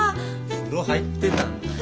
風呂入ってたんだよ。